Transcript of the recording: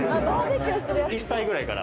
１歳くらいから？